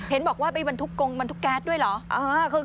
เห็นบอกว่ามันทุกกงมันทุกแก๊สด้วยเหรอ